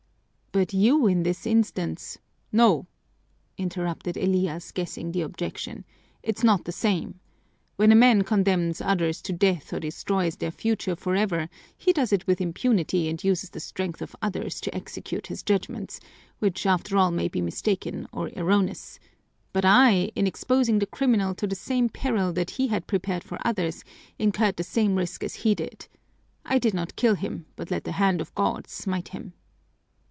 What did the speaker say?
"But you in this instance " "No!" interrupted Elias, guessing the objection. "It's not the same. When a man condemns others to death or destroys their future forever he does it with impunity and uses the strength of others to execute his judgments, which after all may be mistaken or erroneous. But I, in exposing the criminal to the same peril that he had prepared for others, incurred the same risk as he did. I did not kill him, but let the hand of God smite him."